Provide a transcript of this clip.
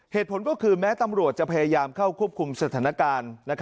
เหตุผลก็คือแม้ตำรวจจะพยายามเข้าควบคุมสถานการณ์